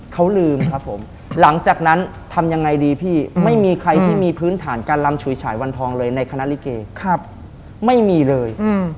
เขาลืมครับผมหลังจากนั้นทำยังไงดีพี่ไม่มีใครที่มีพื้นฐานการลำฉุยฉายวันทองเลยในคณะลิเกไม่มีเลย